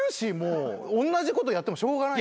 おんなじことやってもしょうがない。